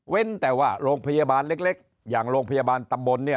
แต่ว่าโรงพยาบาลเล็กอย่างโรงพยาบาลตำบลเนี่ย